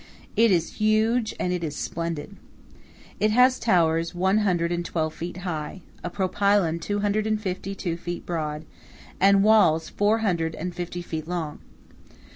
It is huge and it is splendid. It has towers one hundred and twelve feet high, a propylon two hundred and fifty two feet broad, and walls four hundred and fifty feet long.